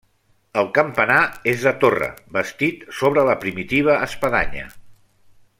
El campanar és de torre, bastit sobre la primitiva espadanya.